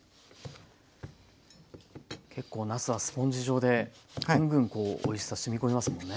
結構なすはスポンジ状でグングンおいしさ染み込みますもんね。